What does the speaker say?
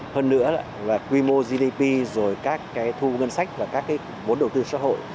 hơn nữa là quy mô gdp rồi các thu ngân sách và các bốn đầu tư xã hội